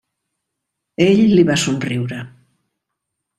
Ell li va somriure.